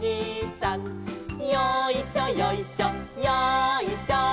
「よいしょよいしょよいしょ」